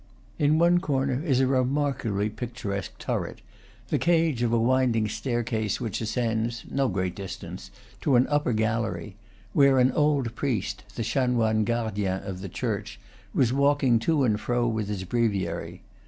In one corner is a remarkably picturesque turret, the cage of a winding staircase which ascends (no great distance) to an upper gallery, where an old priest, the chanoine gardien of the church, was walking to and fro with his breviary.